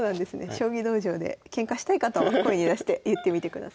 将棋道場でケンカしたい方は声に出して言ってみてください。